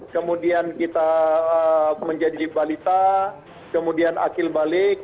kemudian kita menjadi balita kemudian akil balik